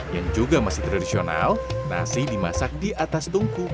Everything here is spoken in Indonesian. yang juga masih tradisional nasi dimasak di atas tungku